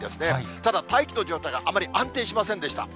ただ、大気の状態があまり安定しませんでした。